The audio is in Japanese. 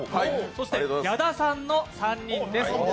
そして矢田さんの３人です。